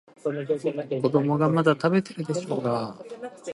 子供がまだ食べてるでしょうが。